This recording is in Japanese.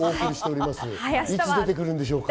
いつ出てくるんでしょうか。